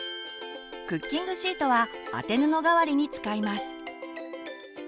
クッキングシートは当て布代わりに使います。